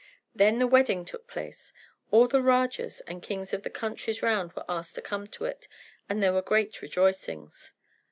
Then the wedding took place. All the Rajas and kings of the countries round were asked to come to it, and there were great rejoicings.